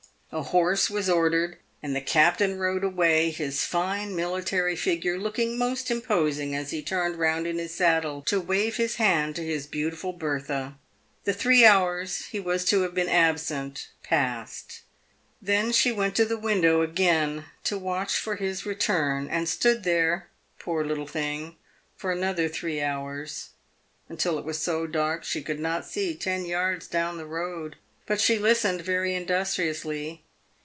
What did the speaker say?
A horse was ordered, and the captain rode away, his fine military figure looking most imposing, as he turned round in his saddle to wave his hand to his beautiful Bertha. The three hours he was to have been absent passed. Then she went to the window again to watch for his return, and stood there, poor little thing, for another three hours, until it wa3 so dark she could not see ten yards down the road ; but she listened very industriously.